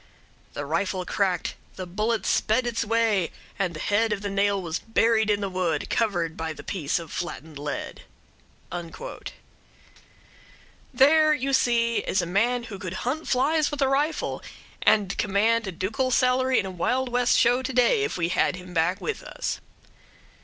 "The rifle cracked, the bullet sped its way, and the head of the nail was buried in the wood, covered by the piece of flattened lead." There, you see, is a man who could hunt flies with a rifle, and command a ducal salary in a Wild West show to day if we had him back with us.